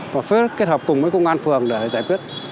và phối kết hợp cùng với công an phường để giải quyết